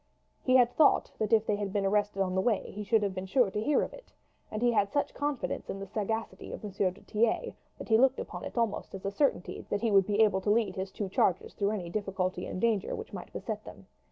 He had thought, that if they had been arrested on the way he should have been sure to hear of it; and he had such confidence in the sagacity of Monsieur du Tillet that he had looked upon it as almost certain he would be able to lead his two charges through any difficulty and danger which might beset them.